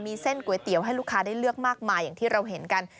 มีเส้นก๋วยเตี๋ยวให้ลูกค้าได้เลือกมากมายอย่างที่เราเห็นกัน